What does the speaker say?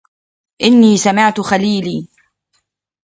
أني سمعت خليلي